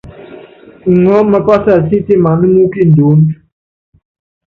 Iŋɔɔ́ mapása sítimaná mú kindoónd.